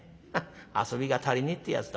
遊びが足りねえってやつだ。